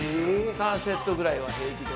３セットぐらいは平気で。